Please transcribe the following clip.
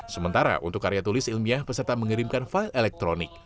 sementara untuk karya tulis ilmiah peserta mengerimkan file elektronik